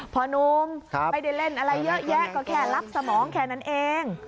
นุ่มไม่ได้เล่นอะไรเยอะแยะก็แค่รับสมองแค่นั้นเอง